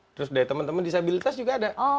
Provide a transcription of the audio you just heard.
terus dari teman teman disabilitas juga ada